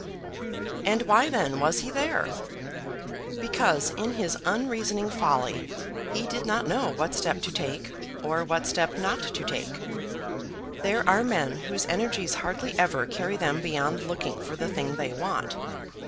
And why then was he there? Because in his unreasoning folly he did not know what step to take, or what step not to take. There are men whose energies hardly ever carry them beyond looking for the thing they want.